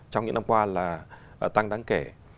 trong những năm qua là tăng đáng kể